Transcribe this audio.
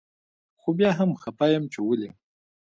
خو بيا هم خپه يم چي ولي